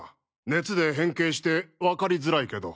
熱で変形してわかりづらいけど。